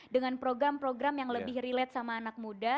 dengan program program yang lebih relate sama anak muda